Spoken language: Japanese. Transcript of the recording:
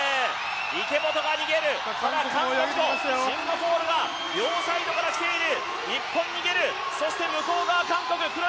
池本が逃げる、ただ韓国とシンガポールが両サイドから来ている。